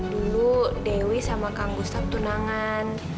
dulu dewi sama kang gustaf tunangan